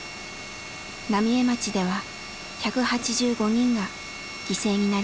浪江町では１８５人が犠牲になりました。